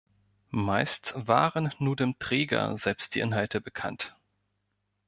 Meist waren nur dem Träger selbst die Inhalte bekannt.